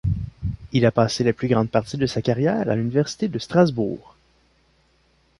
Il a passé la plus grande partie de sa carrière à l'université de Strasbourg.